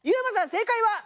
正解は？